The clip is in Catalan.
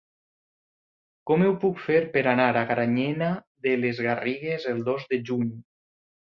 Com ho puc fer per anar a Granyena de les Garrigues el dos de juny?